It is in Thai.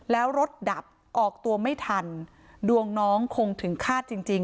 แล้วรถดับออกตัวไม่ทันดวงน้องคงถึงคาดจริงจริง